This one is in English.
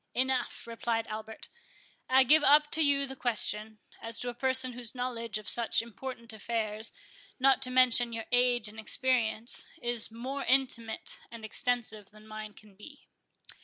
"Enough," replied Albert; "I give up to you the question, as to a person whose knowledge of such important affairs, not to mention your age and experience, is more intimate and extensive than mine can be."